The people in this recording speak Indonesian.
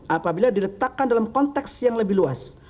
apabila diletakkan dalam konteks yang lebih luas